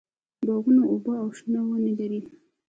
باغونه اوبه او شنه ونې لري.